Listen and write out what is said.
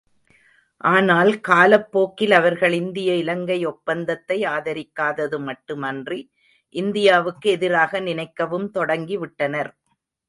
ஆனால், காலப் போக்கில் அவர்கள் இந்திய இலங்கை ஒப்பந்தத்தை ஆதரிக்காதது மட்டுமன்றி, இந்தியாவுக்கு எதிராக நினைக்கவும் தொடங்கிவிட்டனர்.